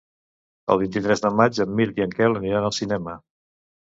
El vint-i-tres de maig en Mirt i en Quel aniran al cinema.